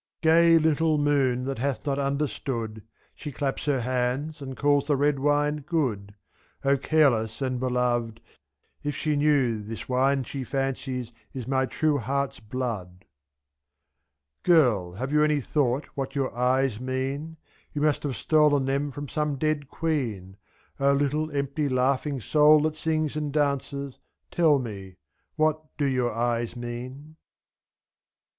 41 Gay little moon, that hath not understood! She claps her hands , and calls the red wine good ; ^^'O careless and beloved, if she knew This wine she fancies is my true heart's blood. Girl, have you any thought what your eyes mean You must have stolen them from some dead queen, (s^,0 little empty laughing soul that sings And dances, tell me — What do your eyes mean